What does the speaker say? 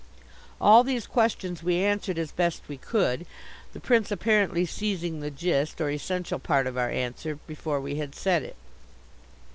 All these questions we answered as best we could, the Prince apparently seizing the gist, or essential part of our answer, before we had said it.